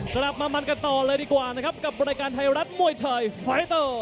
กลับมามันกันต่อเลยดีกว่านะครับกับรายการไทยรัฐมวยไทยไฟเตอร์